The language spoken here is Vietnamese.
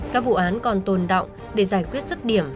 các vụ án còn tồn động để giải quyết sức điểm